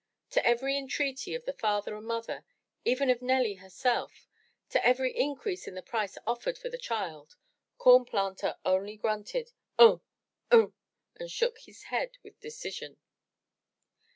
To every entreaty of the father and mother, even of Nelly herself, to every increase of the price offered for the child, Corn Planter 374 THE TREASURE CHEST only grunted, "Ugh! Ugh!'* and shook his head with decision.